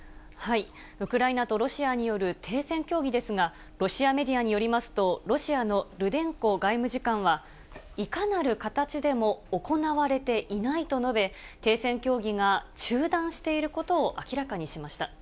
ウクライナとロシアによる停戦協議ですが、ロシアメディアによりますと、ロシアのルデンコ外務次官は、いかなる形でも行われていないと述べ、停戦協議が中断していることを明らかにしました。